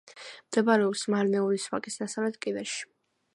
მდებარეობს მარნეულის ვაკის დასავლეთ კიდეში.